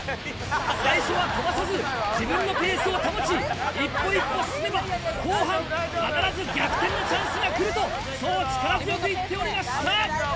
最初は飛ばさず、自分のペースを保ち、一歩一歩進めば、後半、必ず逆転のチャンスが来ると、そう力強く言っておりました。